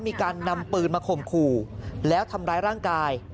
มีการนำปืนมาข่มขู่แล้วทำร้ายร่างกาย